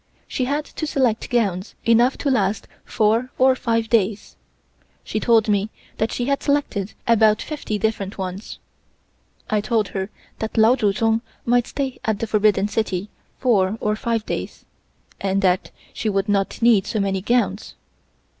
She had to select gowns enough to last four or five days. She told me that she had selected about fifty different ones. I told her that Lao Tsu Tsung might stay at the Forbidden City four or five days, and that she would not need so many gowns.